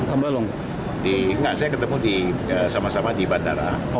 kemarin dengan pak prabowo saya ketemu juga di kalimantan seminggu yang lalu